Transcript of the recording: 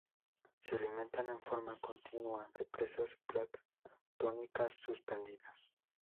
Se alimenta en forma continua de presas planctónicas suspendidas.